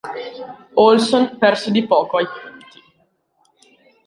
Olson perse di poco ai punti.